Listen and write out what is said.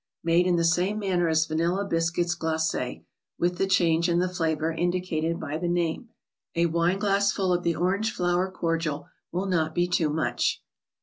Made in the same manner as "Vanilla Biscuits Glaces," with the change in the flavor indicated by the name. A wineglassful of the Orange flower cordial will not be too much.